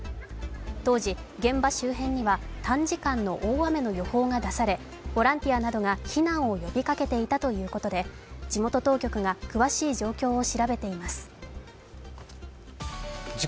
当時、現場周辺には短時間の大雨の予報が出されボランティアなどが避難を呼びかけていたということで、地元当局が詳しい状況を調べています。